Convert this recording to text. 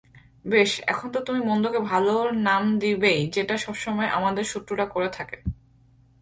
বেশ এখন তো তুমি মন্দকে ভালোর নাম দিবেই যেটা সবসময় আমাদের শত্রুরা করে থাকে।